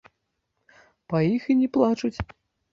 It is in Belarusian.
Па іх і не плачуць.